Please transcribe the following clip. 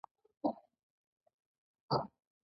ارواپوهنه د خبرو مخکې او وروسته پړاوونه څېړي